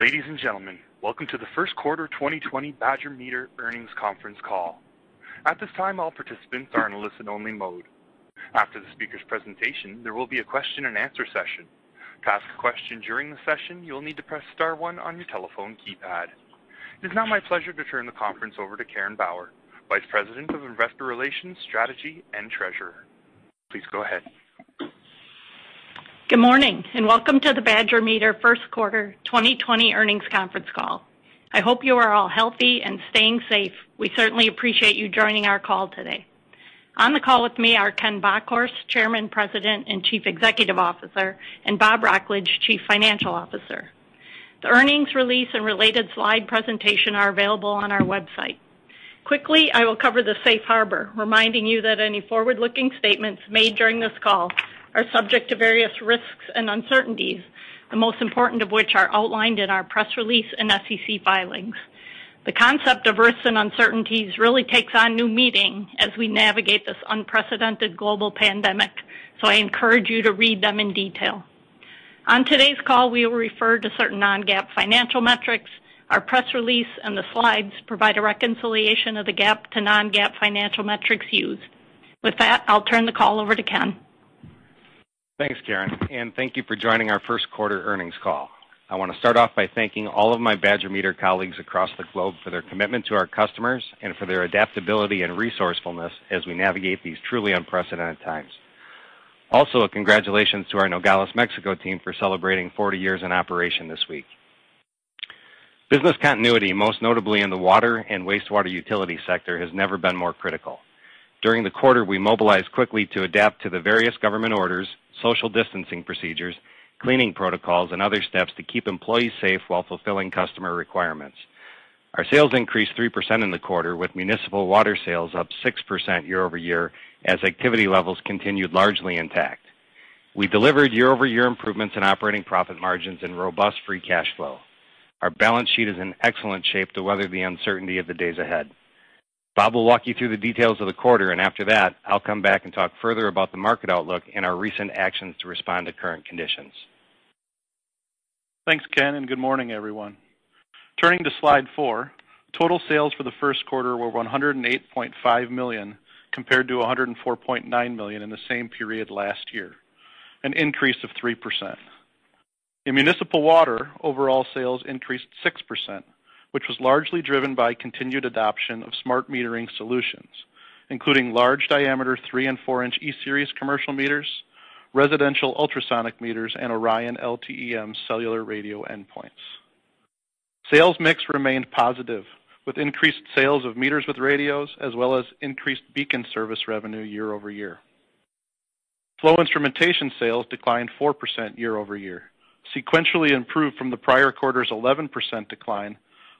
Ladies and gentlemen, welcome to the first quarter 2020 Badger Meter earnings conference call. At this time, all participants are in listen-only mode. After the speaker's presentation, there will be a question and answer session. To ask a question during the session, you will need to press star one on your telephone keypad. It is now my pleasure to turn the conference over to Karen Bauer, Vice President of Investor Relations, Strategy, and Treasurer. Please go ahead. Good morning, welcome to the Badger Meter first quarter 2020 earnings conference call. I hope you are all healthy and staying safe. We certainly appreciate you joining our call today. On the call with me are Ken Bockhorst, Chairman, President, and Chief Executive Officer, and Bob Wrocklage, Chief Financial Officer. The earnings release and related slide presentation are available on our website. Quickly, I will cover the safe harbor, reminding you that any forward-looking statements made during this call are subject to various risks and uncertainties, the most important of which are outlined in our press release and SEC filings. The concept of risks and uncertainties really takes on new meaning as we navigate this unprecedented global pandemic. I encourage you to read them in detail. On today's call, we will refer to certain non-GAAP financial metrics. Our press release and the slides provide a reconciliation of the GAAP to non-GAAP financial metrics used. With that, I'll turn the call over to Ken. Thanks, Karen. Thank you for joining our first quarter earnings call. I want to start off by thanking all of my Badger Meter colleagues across the globe for their commitment to our customers and for their adaptability and resourcefulness as we navigate these truly unprecedented times. Also, a congratulations to our Nogales, Mexico team for celebrating 40 years in operation this week. Business continuity, most notably in the water and wastewater utility sector, has never been more critical. During the quarter, we mobilized quickly to adapt to the various government orders, social distancing procedures, cleaning protocols, and other steps to keep employees safe while fulfilling customer requirements. Our sales increased 3% in the quarter, with municipal water sales up 6% year-over-year as activity levels continued largely intact. We delivered year-over-year improvements in operating profit margins and robust free cash flow. Our balance sheet is in excellent shape to weather the uncertainty of the days ahead. Bob will walk you through the details of the quarter, and after that, I'll come back and talk further about the market outlook and our recent actions to respond to current conditions. Thanks, Ken, good morning, everyone. Turning to slide four, total sales for the first quarter were $108.5 million, compared to $104.9 million in the same period last year, an increase of 3%. In municipal water, overall sales increased 6%, which was largely driven by continued adoption of smart metering solutions, including large diameter three and four-inch E-Series commercial meters, residential ultrasonic meters, and ORION LTE-M cellular radio endpoints. Sales mix remained positive, with increased sales of meters with radios, as well as increased BEACON service revenue year-over-year. flow instrumentation sales declined 4% year-over-year, sequentially improved from the prior quarter's 11% decline,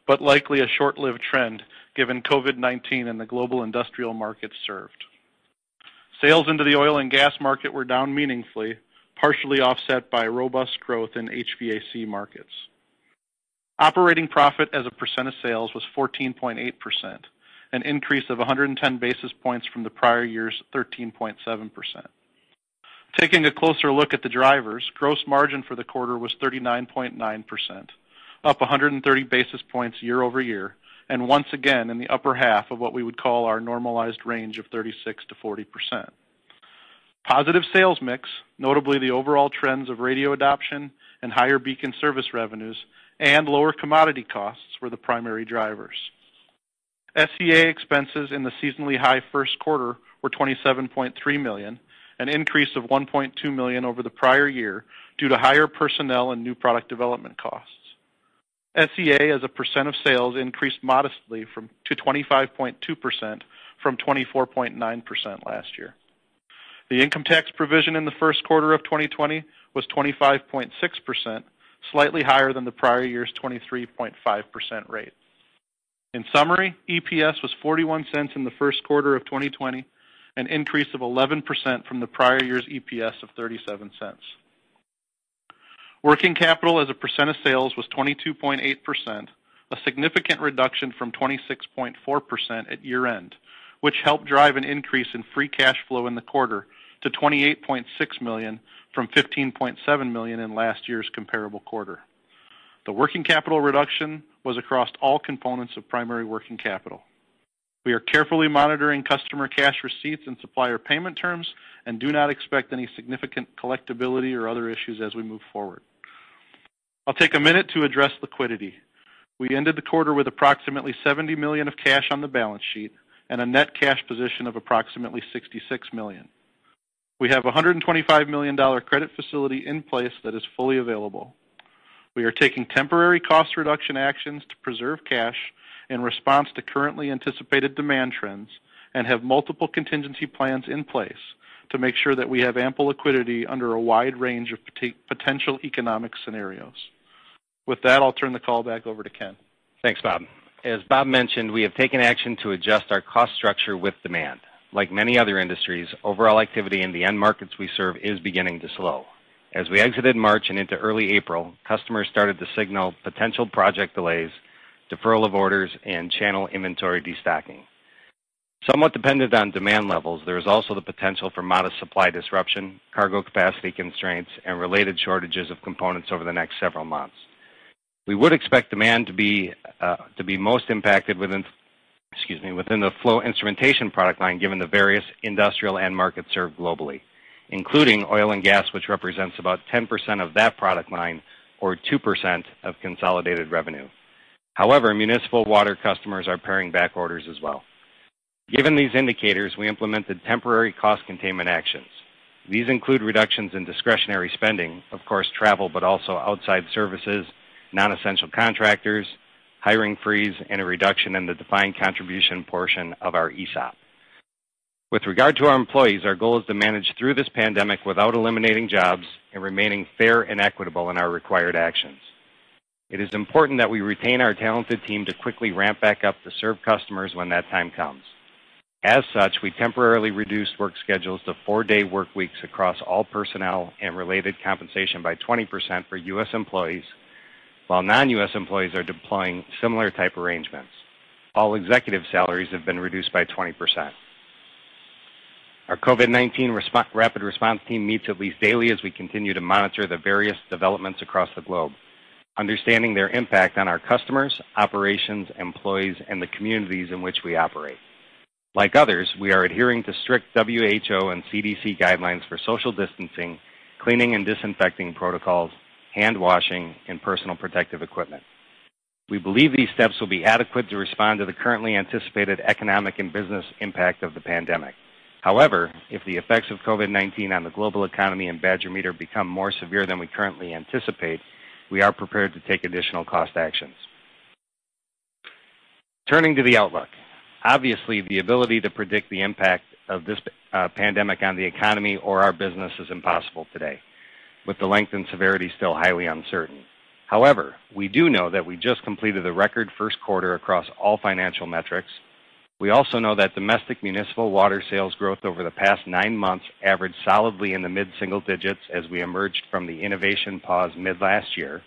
but likely a short-lived trend given COVID-19 and the global industrial markets served. Sales into the oil and gas market were down meaningfully, partially offset by robust growth in HVAC markets. Operating profit as a percent of sales was 14.8%, an increase of 110 basis points from the prior year's 13.7%. Taking a closer look at the drivers, gross margin for the quarter was 39.9%, up 130 basis points year-over-year, and once again in the upper half of what we would call our normalized range of 36%-40%. Positive sales mix, notably the overall trends of radio adoption and higher BEACON service revenues and lower commodity costs were the primary drivers. SG&A expenses in the seasonally high first quarter were $27.3 million, an increase of $1.2 million over the prior year due to higher personnel and new product development costs. SG&A as a percent of sales increased modestly to 25.2% from 24.9% last year. The income tax provision in the first quarter of 2020 was 25.6%, slightly higher than the prior year's 23.5% rate. In summary, EPS was $0.41 in the first quarter of 2020, an increase of 11% from the prior year's EPS of $0.37. Working capital as a % of sales was 22.8%, a significant reduction from 26.4% at year-end, which helped drive an increase in free cash flow in the quarter to $28.6 million from $15.7 million in last year's comparable quarter. The working capital reduction was across all components of primary working capital. We are carefully monitoring customer cash receipts and supplier payment terms and do not expect any significant collectibility or other issues as we move forward. I'll take a minute to address liquidity. We ended the quarter with approximately $70 million of cash on the balance sheet and a net cash position of approximately $66 million. We have a $125 million credit facility in place that is fully available. We are taking temporary cost reduction actions to preserve cash in response to currently anticipated demand trends and have multiple contingency plans in place to make sure that we have ample liquidity under a wide range of potential economic scenarios. With that, I'll turn the call back over to Ken. Thanks, Bob. As Bob mentioned, we have taken action to adjust our cost structure with demand. Like many other industries, overall activity in the end markets we serve is beginning to slow. As we exited March and into early April, customers started to signal potential project delays, deferral of orders, and channel inventory destocking. Somewhat dependent on demand levels, there is also the potential for modest supply disruption, cargo capacity constraints, and related shortages of components over the next several months. We would expect demand to be most impacted within the flow instrumentation product line, given the various industrial end markets served globally, including oil and gas, which represents about 10% of that product line, or 2% of consolidated revenue. However, municipal water customers are paring back orders as well. Given these indicators, we implemented temporary cost containment actions. These include reductions in discretionary spending, of course, travel, but also outside services, non-essential contractors, hiring freeze, and a reduction in the defined contribution portion of our ESOP. With regard to our employees, our goal is to manage through this pandemic without eliminating jobs and remaining fair and equitable in our required actions. It is important that we retain our talented team to quickly ramp back up to serve customers when that time comes. As such, we temporarily reduced work schedules to four-day workweeks across all personnel and related compensation by 20% for U.S. employees, while non-U.S. employees are deploying similar type arrangements. All executive salaries have been reduced by 20%. Our COVID-19 rapid response team meets at least daily as we continue to monitor the various developments across the globe, understanding their impact on our customers, operations, employees, and the communities in which we operate. Like others, we are adhering to strict WHO and CDC guidelines for social distancing, cleaning and disinfecting protocols, handwashing, and personal protective equipment. We believe these steps will be adequate to respond to the currently anticipated economic and business impact of the pandemic. If the effects of COVID-19 on the global economy and Badger Meter become more severe than we currently anticipate, we are prepared to take additional cost actions. Turning to the outlook. Obviously, the ability to predict the impact of this pandemic on the economy or our business is impossible today, with the length and severity still highly uncertain. We do know that we just completed a record first quarter across all financial metrics. We also know that domestic municipal water sales growth over the past nine months averaged solidly in the mid-single digits as we emerged from the innovation pause mid last year,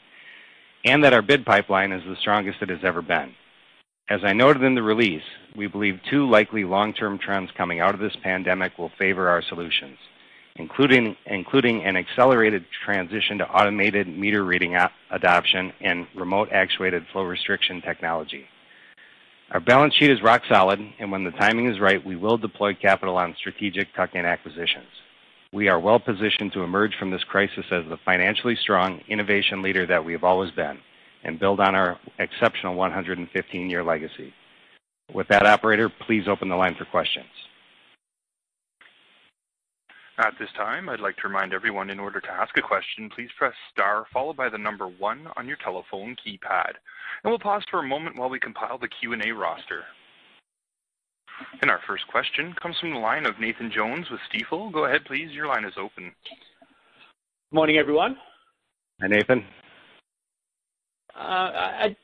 and that our bid pipeline is the strongest it has ever been. As I noted in the release, we believe two likely long-term trends coming out of this pandemic will favor our solutions, including an accelerated transition to automated meter reading adoption and remote actuated flow restriction technology. Our balance sheet is rock solid, and when the timing is right, we will deploy capital on strategic tuck-in acquisitions. We are well-positioned to emerge from this crisis as the financially strong innovation leader that we have always been and build on our exceptional 115-year legacy. With that, operator, please open the line for questions. At this time, I'd like to remind everyone, in order to ask a question, please press star followed by the number one on your telephone keypad. We'll pause for a moment while we compile the Q&A roster. Our first question comes from the line of Nathan Jones with Stifel. Go ahead please, your line is open. Morning, everyone. Hi, Nathan. I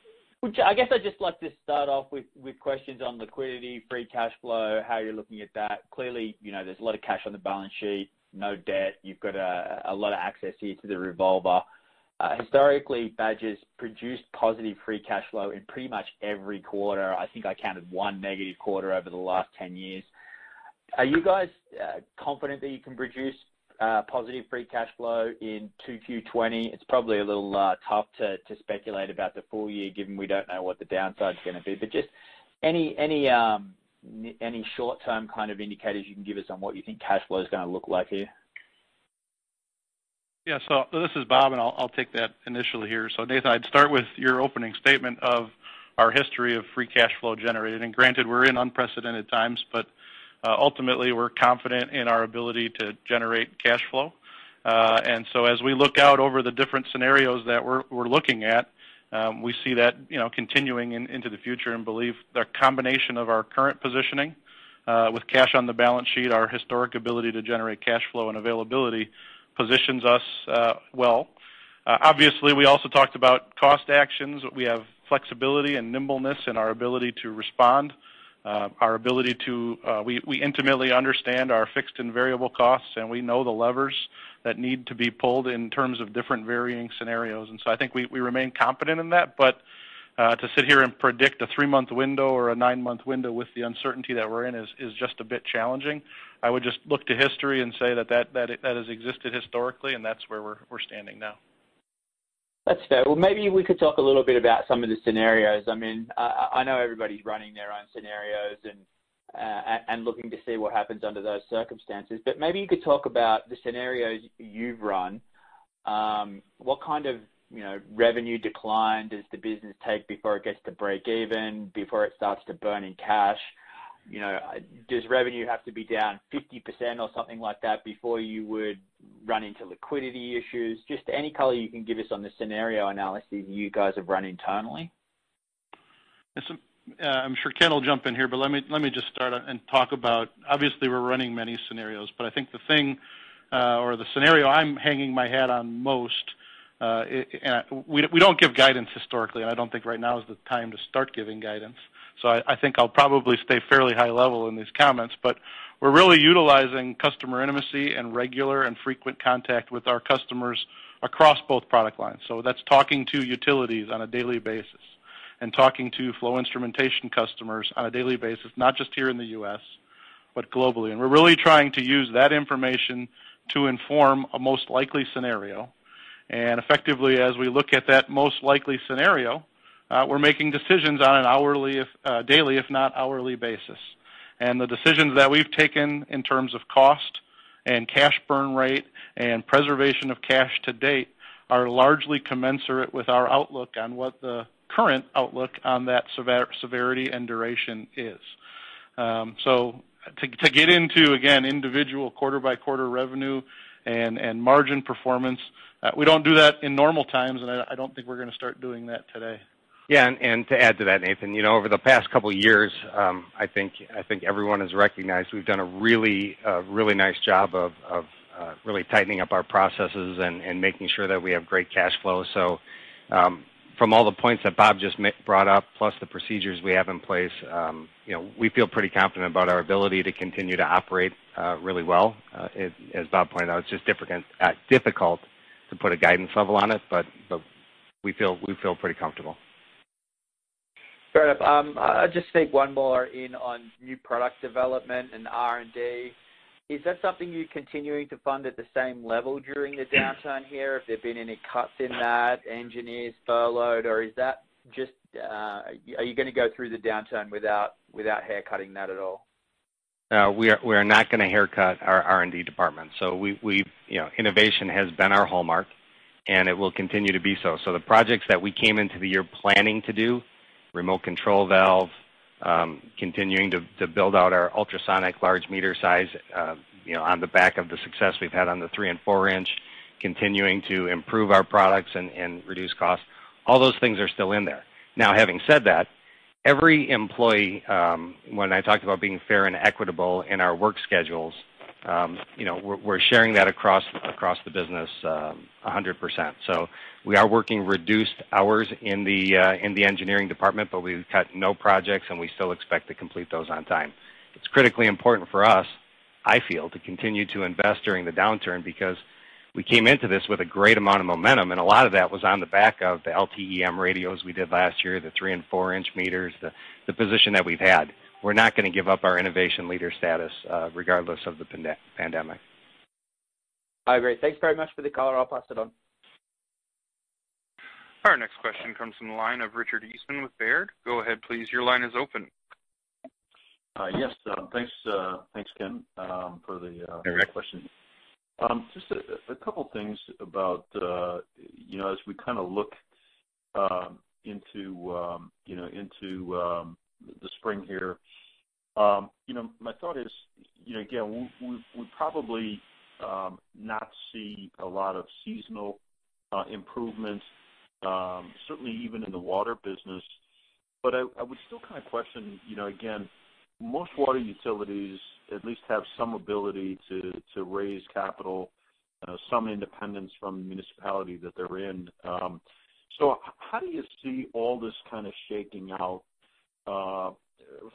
guess I'd just like to start off with questions on liquidity, free cash flow, how you're looking at that. Clearly, there's a lot of cash on the balance sheet, no debt. You've got a lot of access here to the revolver. Historically, Badger's produced positive free cash flow in pretty much every quarter. I think I counted one negative quarter over the last 10 years. Are you guys confident that you can produce positive free cash flow in 2Q20? It's probably a little tough to speculate about the full year, given we don't know what the downside's going to be. Just any short-term kind of indicators you can give us on what you think cash flow is going to look like here? This is Bob, and I'll take that initially here. Nathan, I'd start with your opening statement of our history of free cash flow generated. Granted, we're in unprecedented times, but ultimately, we're confident in our ability to generate cash flow. As we look out over the different scenarios that we're looking at, we see that continuing into the future and believe the combination of our current positioning, with cash on the balance sheet, our historic ability to generate cash flow and availability, positions us well. Obviously, we also talked about cost actions. We have flexibility and nimbleness in our ability to respond. We intimately understand our fixed and variable costs, and we know the levers that need to be pulled in terms of different varying scenarios. I think we remain confident in that. To sit here and predict a three-month window or a nine-month window with the uncertainty that we're in is just a bit challenging. I would just look to history and say that has existed historically, and that's where we're standing now. That's fair. Well, maybe we could talk a little bit about some of the scenarios. I know everybody's running their own scenarios and looking to see what happens under those circumstances. Maybe you could talk about the scenarios you've run. What kind of revenue decline does the business take before it gets to breakeven, before it starts to burn in cash? Does revenue have to be down 50% or something like that before you would run into liquidity issues? Just any color you can give us on the scenario analysis you guys have run internally. I'm sure Ken will jump in here, let me just start and talk about, obviously, we're running many scenarios. I think the thing, or the scenario I'm hanging my hat on most, we don't give guidance historically, and I don't think right now is the time to start giving guidance. I think I'll probably stay fairly high level in these comments. We're really utilizing customer intimacy and regular and frequent contact with our customers across both product lines. That's talking to utilities on a daily basis and talking to flow instrumentation customers on a daily basis, not just here in the U.S., but globally. We're really trying to use that information to inform a most likely scenario. Effectively, as we look at that most likely scenario, we're making decisions on a daily, if not hourly, basis. The decisions that we've taken in terms of cost and cash burn rate and preservation of cash to date are largely commensurate with our outlook on what the current outlook on that severity and duration is. To get into, again, individual quarter-by-quarter revenue and margin performance, we don't do that in normal times, and I don't think we're going to start doing that today. Yeah. To add to that, Nathan, over the past couple of years, I think everyone has recognized we've done a really nice job of really tightening up our processes and making sure that we have great cash flow. From all the points that Bob just brought up, plus the procedures we have in place, we feel pretty confident about our ability to continue to operate really well. As Bob pointed out, it's just difficult to put a guidance level on it, but we feel pretty comfortable. Fair enough. I'll just sneak one more in on new product development and R&D. Is that something you're continuing to fund at the same level during the downturn here? Have there been any cuts in that, engineers furloughed, or are you going to go through the downturn without haircutting that at all? No, we are not going to haircut our R&D department. Innovation has been our hallmark, and it will continue to be so. The projects that we came into the year planning to do, remote control valve, continuing to build out our ultrasonic large meter size, on the back of the success we've had on the three and four-inch, continuing to improve our products and reduce costs. All those things are still in there. Having said that, every employee, when I talked about being fair and equitable in our work schedules, we're sharing that across the business 100%. We are working reduced hours in the engineering department, but we've cut no projects, and we still expect to complete those on time. It's critically important for us, I feel, to continue to invest during the downturn because we came into this with a great amount of momentum, and a lot of that was on the back of the LTE-M radios we did last year, the three and four-inch meters, the position that we've had. We're not going to give up our innovation leader status regardless of the pandemic. All right. Thanks very much for the color. I'll pass it on. Our next question comes from the line of Richard Eastman with Baird. Go ahead, please. Your line is open. Yes. Thanks, Ken, for the question. Hey, Rich. Just a couple of things about as we kind of look into the spring here. My thought is, again, we probably not see a lot of seasonal improvements, certainly even in the water business. I would still kind of question, again, most water utilities at least have some ability to raise capital, some independence from the municipality that they're in. How do you see all this kind of shaking out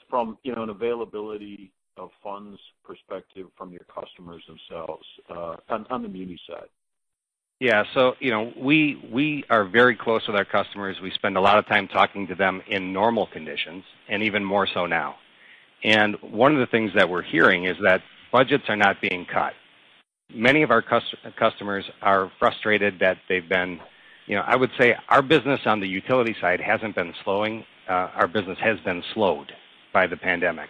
from an availability of funds perspective from your customers themselves on the muni side? Yeah. We are very close with our customers. We spend a lot of time talking to them in normal conditions and even more so now. One of the things that we're hearing is that budgets are not being cut. Many of our customers are frustrated that, I would say, our business on the utility side hasn't been slowing. Our business has been slowed by the pandemic.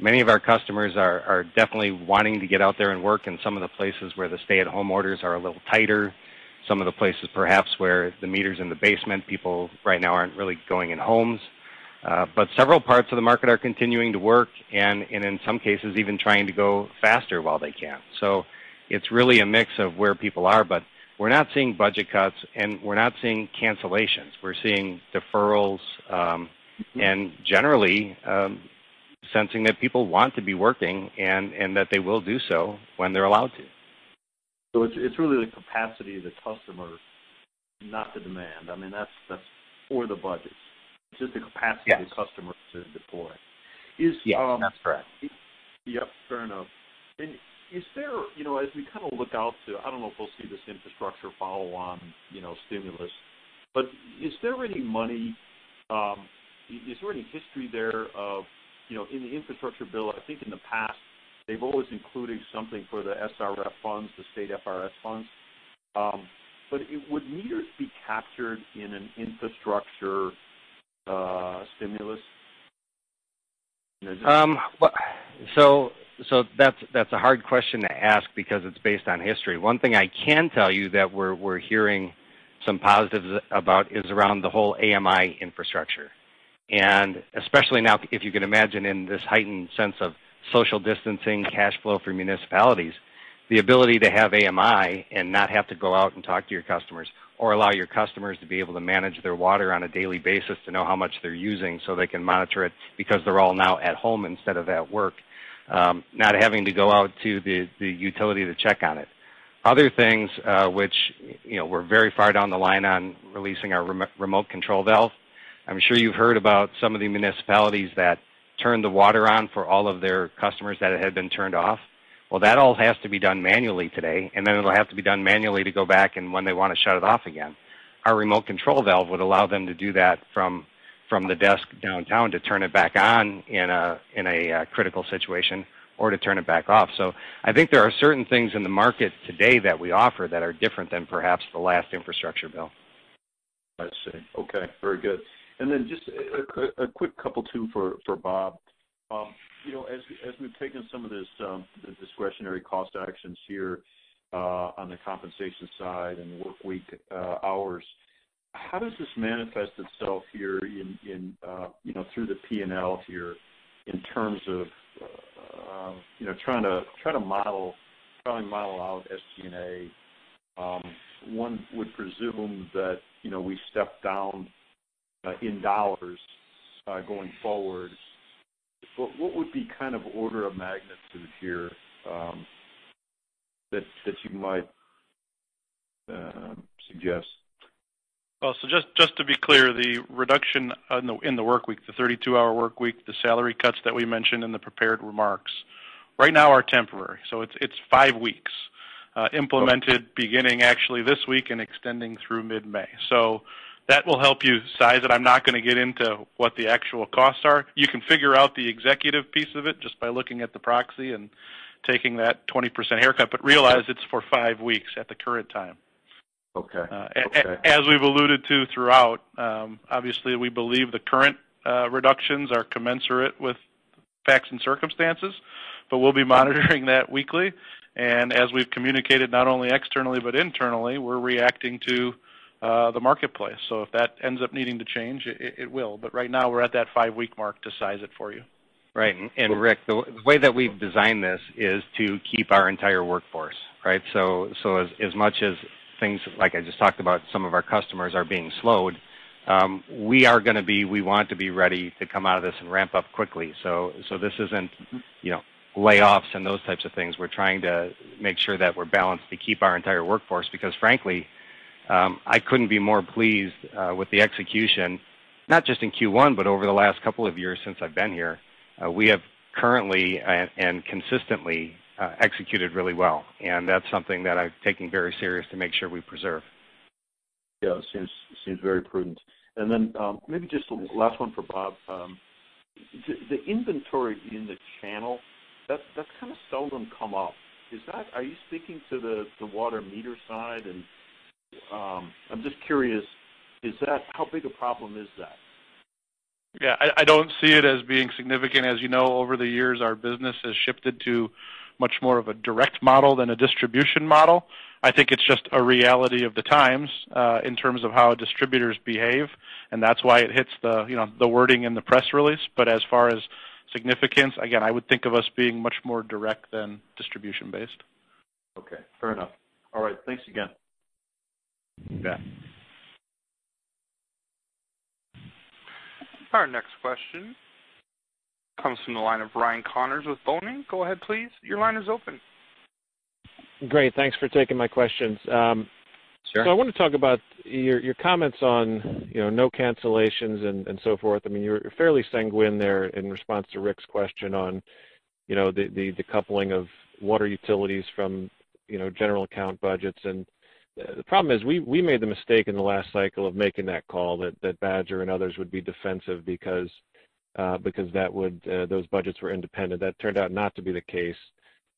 Many of our customers are definitely wanting to get out there and work in some of the places where the stay-at-home orders are a little tighter. Some of the places, perhaps, where the meter's in the basement, people right now aren't really going in homes. Several parts of the market are continuing to work, and in some cases, even trying to go faster while they can. It's really a mix of where people are, but we're not seeing budget cuts, and we're not seeing cancellations. We're seeing deferrals, and generally, sensing that people want to be working and that they will do so when they're allowed to. It's really the capacity of the customer, not the demand. I mean, that's for the budgets. It's just the capacity of the customer to deploy. Yes, that's correct. Yep, fair enough. As we kind of look out to, I don't know if we'll see this infrastructure follow on stimulus, but is there any money, is there any history there of, in the infrastructure bill, I think in the past, they've always included something for the SRF funds, the state SRF funds. Would meters be captured in an infrastructure stimulus? That's a hard question to ask because it's based on history. One thing I can tell you that we're hearing some positives about is around the whole AMI infrastructure. Especially now, if you can imagine in this heightened sense of social distancing, cash flow for municipalities, the ability to have AMI and not have to go out and talk to your customers or allow your customers to be able to manage their water on a daily basis to know how much they're using so they can monitor it because they're all now at home instead of at work, not having to go out to the utility to check on it. Other things which we're very far down the line on releasing our remote control valve. I'm sure you've heard about some of the municipalities that turned the water on for all of their customers that it had been turned off. Well, that all has to be done manually today, and then it'll have to be done manually to go back and when they want to shut it off again. Our remote control valve would allow them to do that from the desk downtown to turn it back on in a critical situation or to turn it back off. I think there are certain things in the market today that we offer that are different than perhaps the last infrastructure bill. I see. Okay, very good. Then just a quick couple too for Bob. As we've taken some of this, the discretionary cost actions here on the compensation side and the work week hours, how does this manifest itself here through the P&L here in terms of trying to model out SG&A? One would presume that we step down in dollars going forward. What would be order of magnitude here that you might suggest? Just to be clear, the reduction in the work week, the 32-hour work week, the salary cuts that we mentioned in the prepared remarks right now are temporary. It's five weeks implemented beginning actually this week and extending through mid-May. That will help you size it. I'm not going to get into what the actual costs are. You can figure out the executive piece of it just by looking at the proxy and taking that 20% haircut, but realize it's for five weeks at the current time. Okay. As we've alluded to throughout, obviously we believe the current reductions are commensurate with facts and circumstances, but we'll be monitoring that weekly, and as we've communicated, not only externally but internally, we're reacting to the marketplace. If that ends up needing to change, it will. Right now, we're at that five-week mark to size it for you. Right. Rick, the way that we've designed this is to keep our entire workforce, right? As much as things like I just talked about, some of our customers are being slowed, we want to be ready to come out of this and ramp up quickly. This isn't layoffs and those types of things. We're trying to make sure that we're balanced to keep our entire workforce because frankly, I couldn't be more pleased with the execution, not just in Q1, but over the last couple of years since I've been here. We have currently and consistently executed really well, and that's something that I've taken very serious to make sure we preserve. Yeah, it seems very prudent. Then, maybe just a last one for Bob. The inventory in the channel, that's kind of seldom come up. Are you speaking to the water meter side? I'm just curious, how big a problem is that? Yeah, I don't see it as being significant. As you know, over the years, our business has shifted to much more of a direct model than a distribution model. I think it's just a reality of the times in terms of how distributors behave, that's why it hits the wording in the press release. As far as significance, again, I would think of us being much more direct than distribution-based. Okay. Fair enough. All right. Thanks again. You bet. Our next question comes from the line of Ryan Connors with Boenning. Go ahead, please. Your line is open. Great. Thanks for taking my questions. Sure. I want to talk about your comments on no cancellations and so forth. You're fairly sanguine there in response to Rick's question on the decoupling of water utilities from general account budgets. The problem is we made the mistake in the last cycle of making that call that Badger and others would be defensive because those budgets were independent. That turned out not to be the case.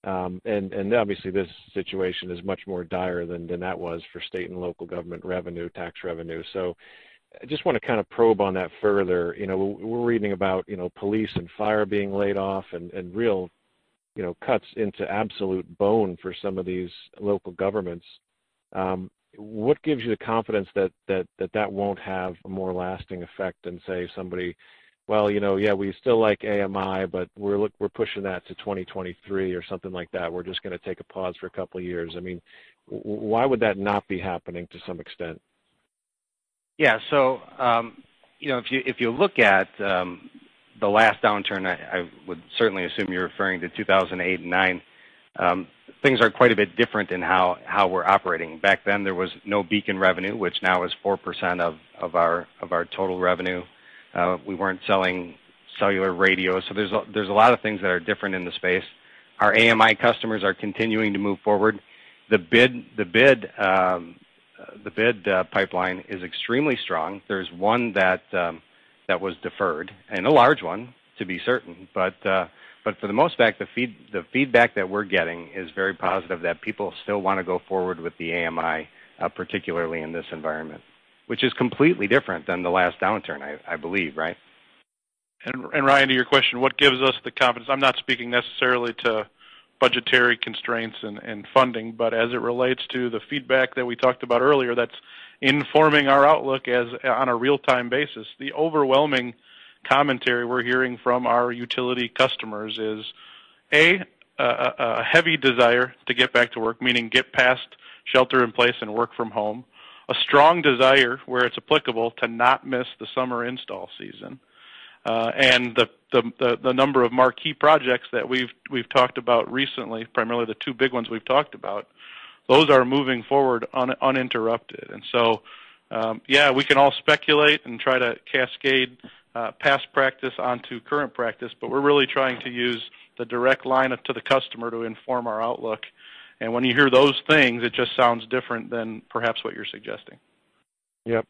Obviously this situation is much more dire than that was for state and local government revenue, tax revenue. I just want to kind of probe on that further. We're reading about police and fire being laid off and real cuts into absolute bone for some of these local governments. What gives you the confidence that won't have a more lasting effect than say somebody "Well, yeah, we still like AMI, but we're pushing that to 2023 or something like that. We're just going to take a pause for a couple of years." Why would that not be happening to some extent? If you look at the last downturn, I would certainly assume you're referring to 2008 and 2009. Things are quite a bit different in how we're operating. Back then, there was no BEACON revenue, which now is 4% of our total revenue. We weren't selling cellular radios, so there's a lot of things that are different in the space. Our AMI customers are continuing to move forward. The bid pipeline is extremely strong. There's one that was deferred and a large one to be certain, but for the most part, the feedback that we're getting is very positive that people still want to go forward with the AMI, particularly in this environment, which is completely different than the last downturn, I believe, right? Ryan, to your question, what gives us the confidence? I'm not speaking necessarily to budgetary constraints and funding, but as it relates to the feedback that we talked about earlier, that's informing our outlook on a real-time basis. The overwhelming commentary we're hearing from our utility customers is, A, a heavy desire to get back to work, meaning get past shelter in place and work from home. A strong desire where it's applicable to not miss the summer install season. The number of marquee projects that we've talked about recently, primarily the two big ones we've talked about. Those are moving forward uninterrupted. Yeah, we can all speculate and try to cascade past practice onto current practice, but we're really trying to use the direct line to the customer to inform our outlook. When you hear those things, it just sounds different than perhaps what you're suggesting. Yep.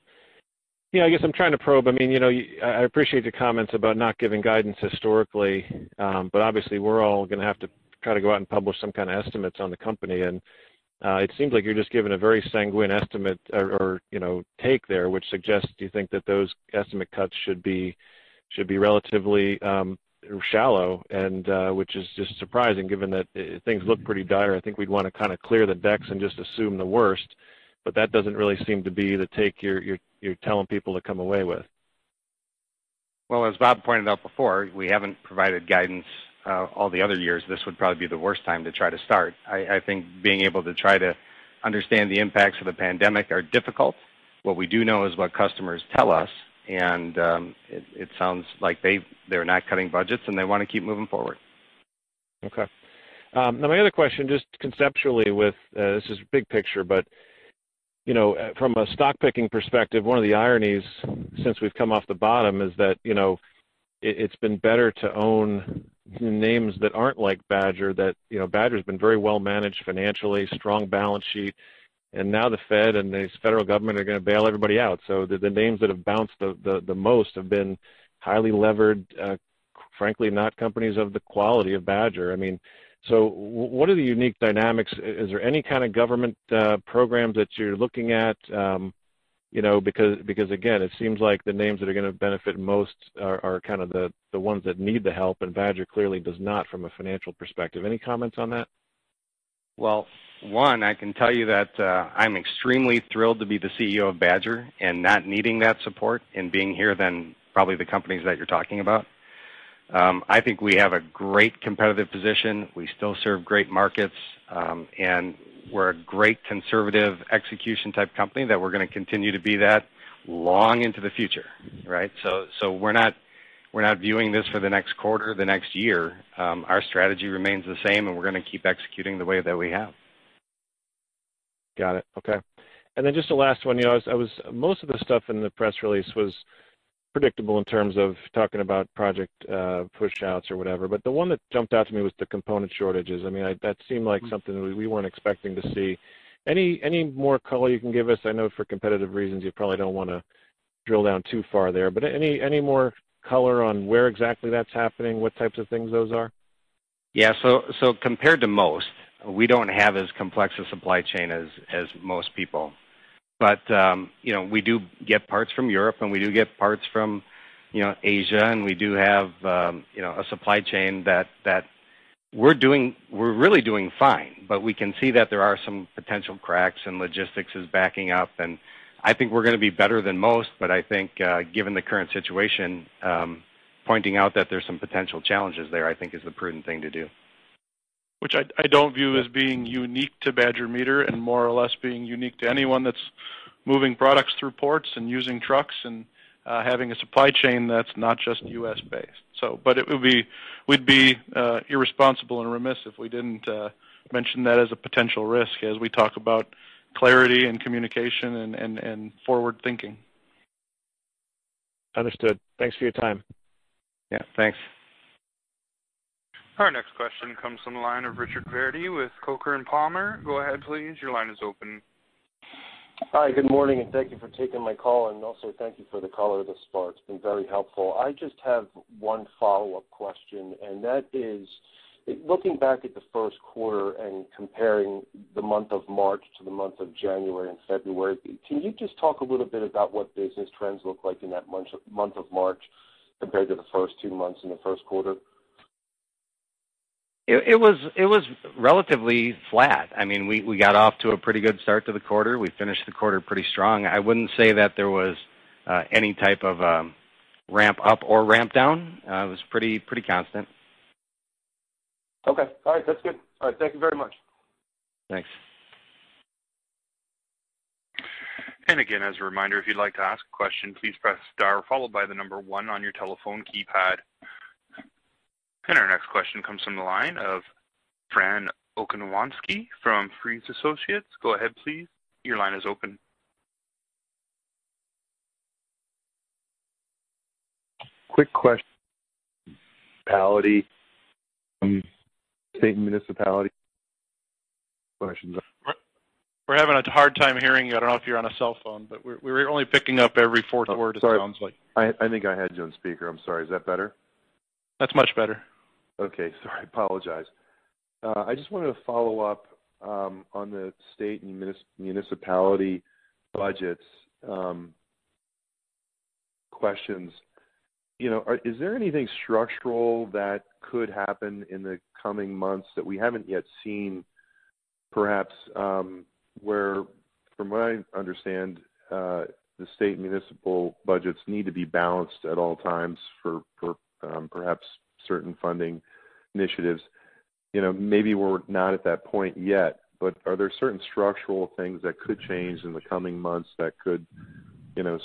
I guess I'm trying to probe. I appreciate the comments about not giving guidance historically. Obviously, we're all going to have to try to go out and publish some kind of estimates on the company. It seems like you're just giving a very sanguine estimate or take there, which suggests you think that those estimate cuts should be relatively shallow, and which is just surprising given that things look pretty dire. I think we'd want to kind of clear the decks and just assume the worst, but that doesn't really seem to be the take you're telling people to come away with. Well, as Bob pointed out before, we haven't provided guidance all the other years. This would probably be the worst time to try to start. I think being able to try to understand the impacts of the pandemic are difficult. What we do know is what customers tell us, and it sounds like they're not cutting budgets, and they want to keep moving forward. My other question, just conceptually with This is big picture, but from a stock-picking perspective, one of the ironies since we've come off the bottom is that it's been better to own names that aren't like Badger. Badger's been very well-managed financially, strong balance sheet, and now the Fed and the federal government are going to bail everybody out. The names that have bounced the most have been highly levered, frankly, not companies of the quality of Badger. What are the unique dynamics? Is there any kind of government programs that you're looking at? Again, it seems like the names that are going to benefit most are kind of the ones that need the help, and Badger clearly does not from a financial perspective. Any comments on that? One, I can tell you that I'm extremely thrilled to be the CEO of Badger and not needing that support and being here than probably the companies that you're talking about. I think we have a great competitive position. We still serve great markets. We're a great conservative execution type company that we're going to continue to be that long into the future, right. We're not viewing this for the next quarter, the next year. Our strategy remains the same, and we're going to keep executing the way that we have. Got it. Okay. Just the last one. Most of the stuff in the press release was predictable in terms of talking about project push-outs or whatever. The one that jumped out to me was the component shortages. That seemed like something that we weren't expecting to see. Any more color you can give us? I know for competitive reasons, you probably don't want to drill down too far there. Any more color on where exactly that's happening, what types of things those are? Yeah. Compared to most, we don't have as complex a supply chain as most people. We do get parts from Europe, and we do get parts from Asia, and we do have a supply chain that we're really doing fine. We can see that there are some potential cracks and logistics is backing up, and I think we're going to be better than most, but I think, given the current situation, pointing out that there's some potential challenges there, I think is the prudent thing to do. Which I don't view as being unique to Badger Meter and more or less being unique to anyone that's moving products through ports and using trucks and having a supply chain that's not just U.S.-based. We'd be irresponsible and remiss if we didn't mention that as a potential risk as we talk about clarity and communication and forward thinking. Understood. Thanks for your time. Yeah. Thanks. Our next question comes from the line of Richard Verdi with Coker & Palmer. Go ahead, please. Your line is open. Hi, good morning, and thank you for taking my call, and also thank you for the color thus far. It's been very helpful. I just have one follow-up question, and that is, looking back at the first quarter and comparing the month of March to the month of January and February, can you just talk a little bit about what business trends look like in that month of March compared to the first two months in the first quarter? It was relatively flat. We got off to a pretty good start to the quarter. We finished the quarter pretty strong. I wouldn't say that there was any type of ramp up or ramp down. It was pretty constant. Okay. All right. That's good. All right. Thank you very much. Thanks. Again, as a reminder, if you'd like to ask a question, please press star followed by the number one on your telephone keypad. Our next question comes from the line of Fran Okoniewski from Friess Associates. Go ahead, please. Your line is open. Quick question, municipality from state and municipality questions. We're having a hard time hearing you. I don't know if you're on a cell phone, but we're only picking up every fourth word, it sounds like. Oh, sorry. I think I had you on speaker. I'm sorry. Is that better? That's much better. Sorry. I apologize. I just wanted to follow up on the state and municipality budgets questions. Is there anything structural that could happen in the coming months that we haven't yet seen, perhaps, where from what I understand, the state municipal budgets need to be balanced at all times for perhaps certain funding initiatives? Maybe we're not at that point yet, but are there certain structural things that could change in the coming months that could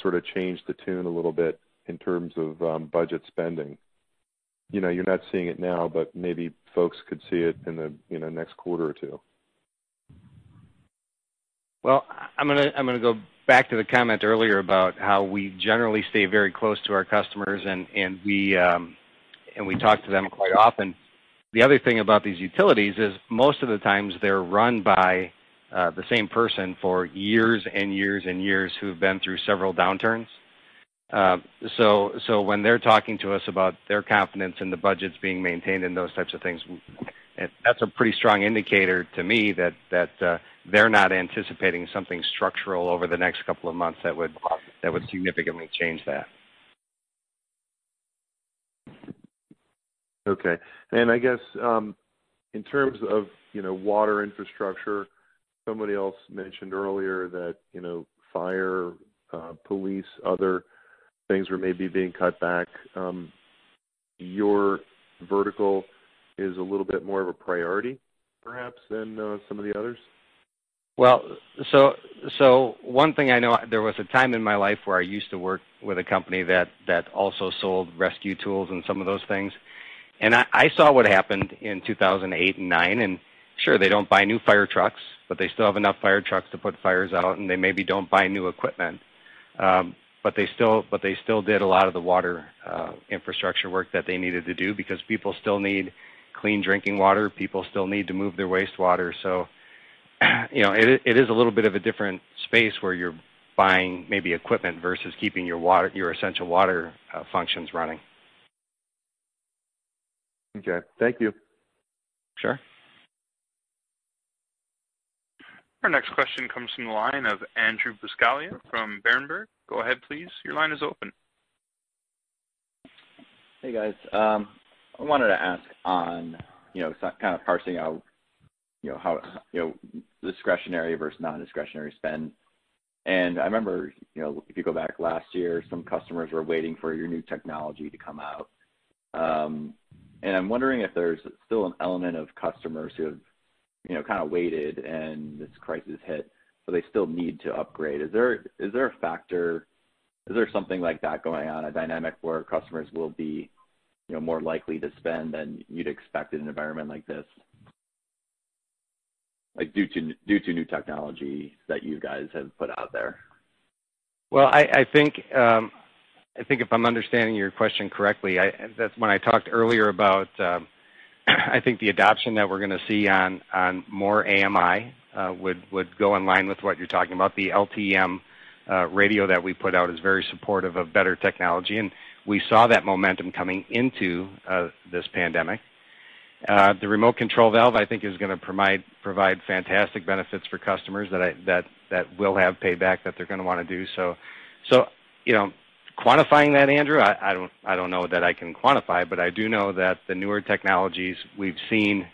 sort of change the tune a little bit in terms of budget spending? You're not seeing it now, but maybe folks could see it in the next quarter or two. Well, I'm going to go back to the comment earlier about how we generally stay very close to our customers, and we talk to them quite often. The other thing about these utilities is most of the times they're run by the same person for years and years and years who've been through several downturns. When they're talking to us about their confidence in the budgets being maintained and those types of things, that's a pretty strong indicator to me that they're not anticipating something structural over the next couple of months that would significantly change that. Okay. I guess, in terms of water infrastructure, somebody else mentioned earlier that fire, police, other things were maybe being cut back. Your vertical is a little bit more of a priority, perhaps, than some of the others. One thing I know, there was a time in my life where I used to work with a company that also sold rescue tools and some of those things. I saw what happened in 2008 and 2009. Sure, they don't buy new fire trucks, but they still have enough fire trucks to put fires out, and they maybe don't buy new equipment. They still did a lot of the water infrastructure work that they needed to do because people still need clean drinking water. People still need to move their wastewater. It is a little bit of a different space where you're buying maybe equipment versus keeping your essential water functions running. Okay. Thank you. Sure. Our next question comes from the line of Andrew Buscaglia from Berenberg. Go ahead, please. Your line is open. Hey, guys. I wanted to ask on kind of parsing out how discretionary versus nondiscretionary spend. I remember, if you go back last year, some customers were waiting for your new technology to come out. I'm wondering if there's still an element of customers who have kind of waited and this crisis hit, so they still need to upgrade. Is there something like that going on, a dynamic where customers will be more likely to spend than you'd expect in an environment like this? Due to new technology that you guys have put out there. I think if I'm understanding your question correctly, that's when I talked earlier about, I think the adoption that we're going to see on more AMI would go in line with what you're talking about. The LTE-M radio that we put out is very supportive of better technology, and we saw that momentum coming into this pandemic. The remote control valve, I think, is going to provide fantastic benefits for customers that will have payback that they're going to want to do. Quantifying that, Andrew, I don't know that I can quantify, but I do know that the newer technologies we've certainly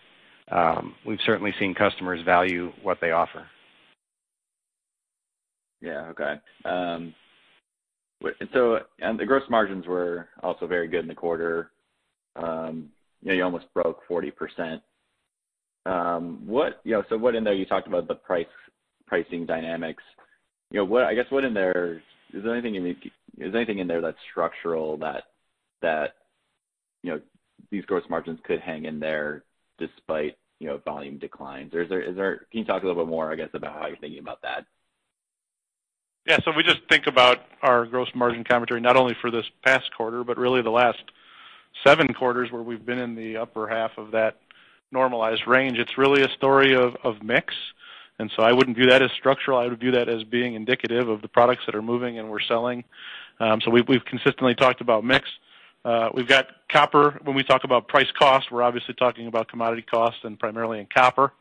seen customers value what they offer. Yeah. Okay. The gross margins were also very good in the quarter. You almost broke 40%. What in there, you talked about the pricing dynamics. I guess, is there anything in there that's structural that these gross margins could hang in there despite volume declines? Can you talk a little bit more, I guess, about how you're thinking about that? If we just think about our gross margin commentary, not only for this past quarter, but really the last 7 quarters where we've been in the upper half of that normalized range, it's really a story of mix. I wouldn't view that as structural. I would view that as being indicative of the products that are moving and we're selling. We've consistently talked about mix. We've got copper. When we talk about price cost, we're obviously talking about commodity costs and primarily in copper.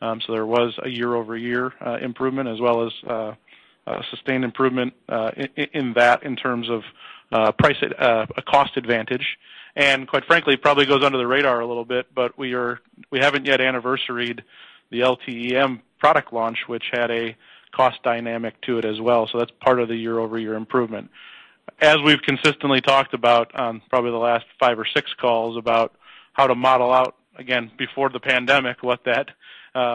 There was a year-over-year improvement as well as a sustained improvement in that in terms of a cost advantage. Quite frankly, it probably goes under the radar a little bit, we haven't yet anniversaried the LTE-M product launch, which had a cost dynamic to it as well. That's part of the year-over-year improvement. As we've consistently talked about, probably the last five or six calls, about how to model out, again, before the pandemic, what that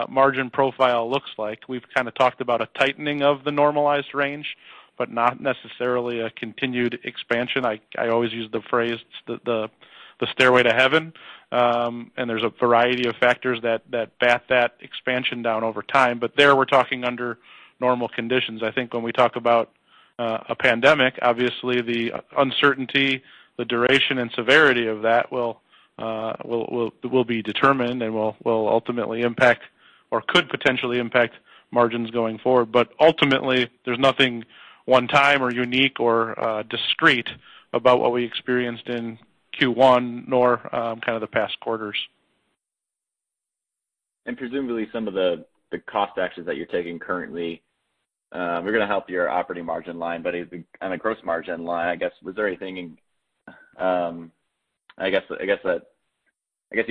margin profile looks like. We've kind of talked about a tightening of the normalized range, but not necessarily a continued expansion. I always use the phrase, the stairway to heaven. There's a variety of factors that bat that expansion down over time. There, we're talking under normal conditions. I think when we talk about a pandemic, obviously the uncertainty, the duration, and severity of that will be determined and will ultimately impact or could potentially impact margins going forward. Ultimately, there's nothing one time or unique or discrete about what we experienced in Q1 nor kind of the past quarters. Presumably, some of the cost actions that you're taking currently are going to help your operating margin line. On a gross margin line, I guess you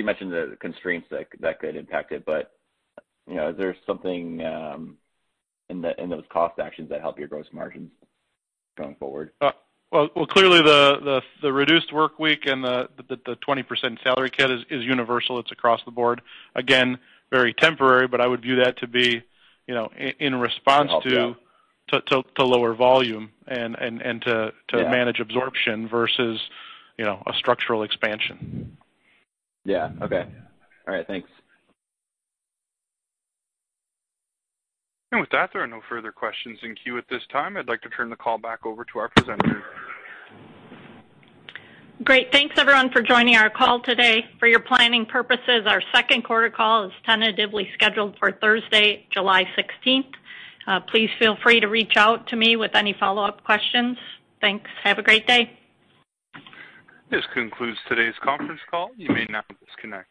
mentioned the constraints that could impact it. Is there something in those cost actions that help your gross margins going forward? Well, clearly the reduced work week and the 20% salary cut is universal. It's across the board. Again, very temporary, but I would view that to be in response to lower volume and manage absorption versus a structural expansion. Yeah. Okay. All right. Thanks. With that, there are no further questions in queue at this time. I'd like to turn the call back over to our presenters. Great. Thanks, everyone, for joining our call today. For your planning purposes, our second quarter call is tentatively scheduled for Thursday, July 16th. Please feel free to reach out to me with any follow-up questions. Thanks. Have a great day. This concludes today's conference call. You may now disconnect.